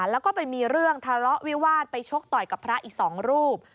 แล้วก็ไปมีเรื่องทะเลาะวิวาสไปชกต่อยกับพระอีก๒รูป